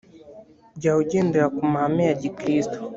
jya ugendera ku mahame ya gikristo